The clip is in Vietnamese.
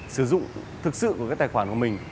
sử dụng thực sự của cái tài khoản của mình